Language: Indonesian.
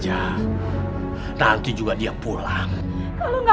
tapi dia akan kembali ke tempat yang dia inginkan